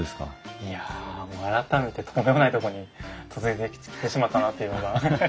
いや改めてとんでもないとこに嫁いできてしまったなというのが。